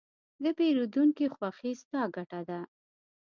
د پیرودونکي خوښي، ستا ګټه ده.